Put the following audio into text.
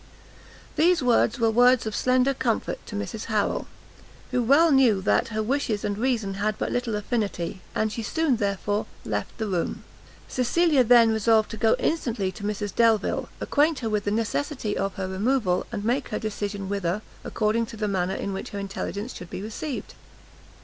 These were words of slender comfort to Mrs Harrel, who well knew that her wishes and reason had but little affinity, and she soon, therefore, left the room. Cecilia then resolved to go instantly to Mrs Delvile, acquaint her with the necessity of her removal, and make her decision whither, according to the manner in which her intelligence should be received.